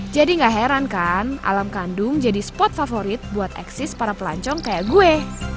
jadi gak heran kan alam kandung jadi spot favorit buat eksis para pelancong kayak gue